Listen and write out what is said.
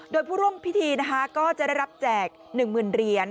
โดยผู้ร่วมพิธีก็จะได้รับแจก๑หมื่นเหรียญ